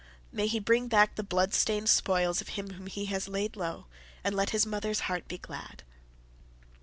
May he bring back the blood stained spoils of him whom he has laid low, and let his mother's heart be glad."